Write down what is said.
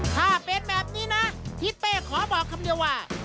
ถ้าเป็นแบบนี้นะทิศเป้ขอบอกคำเดียวว่า